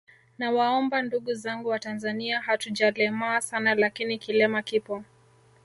Nawaomba ndugu zangu watanzania hatujalemaa sana lakini kilema kipo